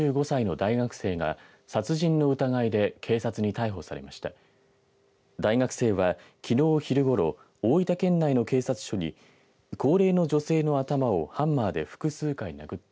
大学生はきのう昼ごろ大分県内の警察署に高齢の女性の頭をハンマーで複数回殴った。